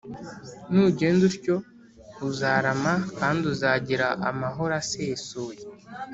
Nugenza utyo uzarama kandi uzagira amahoro asesuye